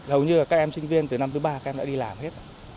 hầu như là các em sinh viên từ năm thứ ba các em đã đi làm hết